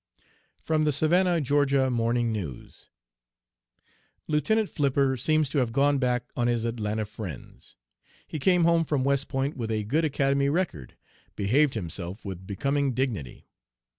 (From the Savannah (Ga.) Morning News.) "Lieutenant Flipper seems to have gone back on his Atlanta friends. He came home from West Point with a good Academy record, behaved himself with becoming dignity.